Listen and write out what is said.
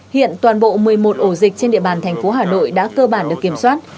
hiện toàn bộ một mươi một ổ dịch trên địa bàn thành phố hà nội đã cơ bản được kiểm soát